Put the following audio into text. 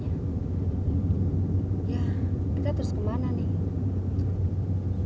ya kita terus kemana nih